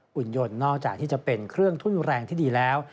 คุณยนต์นอกจากที่จะเป็นเครื่องทุ่นแรงที่ดีแล้ว